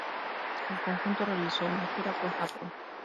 El conjunto realizó una gira por Japón.